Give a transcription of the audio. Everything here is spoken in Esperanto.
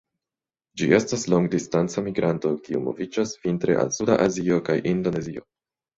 Ĝi estas longdistanca migranto kiu moviĝas vintre al suda Azio kaj Indonezio.